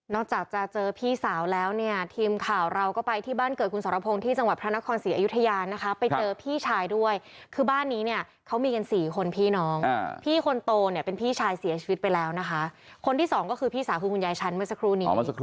จากจะเจอพี่สาวแล้วเนี่ยทีมข่าวเราก็ไปที่บ้านเกิดคุณสรพงศ์ที่จังหวัดพระนครศรีอยุธยานะคะไปเจอพี่ชายด้วยคือบ้านนี้เนี่ยเขามีกันสี่คนพี่น้องพี่คนโตเนี่ยเป็นพี่ชายเสียชีวิตไปแล้วนะคะคนที่สองก็คือพี่สาวคือคุณยายชั้นเมื่อสักครู่นี้